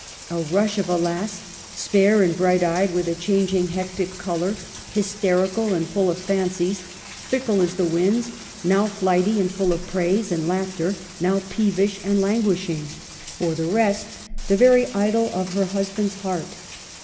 A rush of a lass, spare and bright eyed, with a changing, hectic color, hysterical, and full of fan cies, fickle as the winds, now flighty and full of praise and laughter, now peevish and languish ing. For the rest, the very idol of her husband's heart.